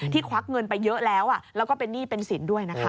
ควักเงินไปเยอะแล้วแล้วก็เป็นหนี้เป็นสินด้วยนะคะ